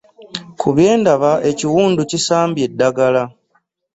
Kubyendaba ekiwundu kisambye edagala .